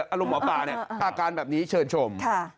อารมณ์หมอปลาเนี่ยอาการแบบนี้เชิญชม